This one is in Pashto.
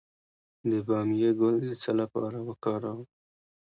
د بامیې ګل د څه لپاره وکاروم؟